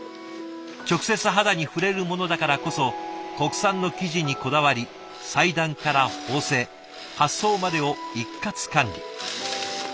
直接肌に触れるものだからこそ国産の生地にこだわり裁断から縫製発送までを一括管理。